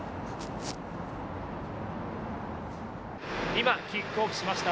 今、キックオフしました。